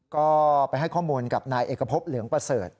ก็ไปให้ข้อมูลกับนายเอกพบเหลืองประเสริฐ